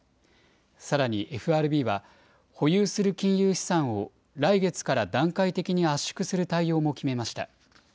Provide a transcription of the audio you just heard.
さらにＦＲＢは、保有する金融資産を来月から段階的に圧縮する対応も決めました。